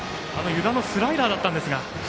湯田のスライダーだったんですが。